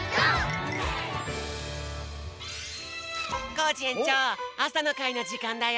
コージえんちょうあさのかいのじかんだよ。